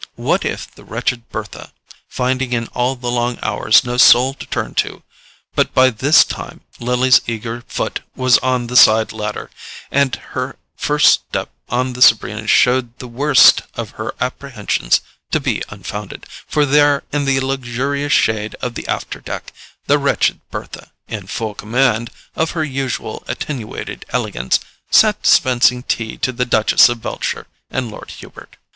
What if the wretched Bertha, finding in all the long hours no soul to turn to—but by this time Lily's eager foot was on the side ladder, and her first step on the Sabrina showed the worst of her apprehensions to be unfounded; for there, in the luxurious shade of the after deck, the wretched Bertha, in full command of her usual attenuated elegance, sat dispensing tea to the Duchess of Beltshire and Lord Hubert.